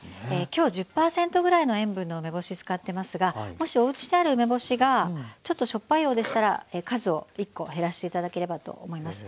今日１０％ぐらいの塩分の梅干し使ってますがもしおうちにある梅干しがちょっとしょっぱいようでしたら数を１コ減らして頂ければと思います。